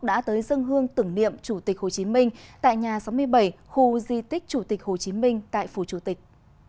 đã tới dân hương tưởng niệm chủ tịch hồ chí minh tại nhà sáu mươi bảy khu di tích chủ tịch hồ chí minh tại phủ chủ tịch